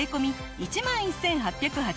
１万１８８０円！